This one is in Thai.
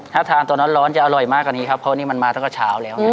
ถ้าทานตอนนั้นร้อนจะอร่อยมากกว่านี้ครับเพราะนี่มันมาตั้งแต่เช้าแล้ว